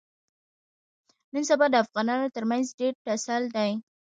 نن سبا د افغانانو ترمنځ ډېر ټسل دی.